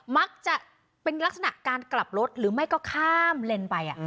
มักจะเป็นลักษณะการกลับรถหรือไม่ก็ข้ามเลนไป